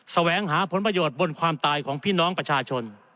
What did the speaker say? แสวงหาผลประโยชน์บนความตายของพี่น้องประชาชน